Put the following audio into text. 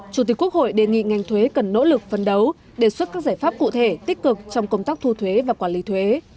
chủ tịch quốc hội đề nghị ngành thuế cần nỗ lực phân đấu đề xuất các giải pháp cụ thể tích cực trong công tác thu thuế và quản lý thuế